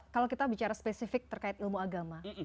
kalau kita bicara spesifik terkait ilmu agama